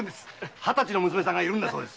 二十歳の娘さんがいるんだそうです。